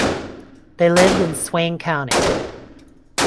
They lived in Swain County.